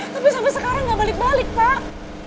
tapi sampe sekarang gak balik balik pak